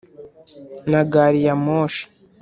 Na gare-ya-moshi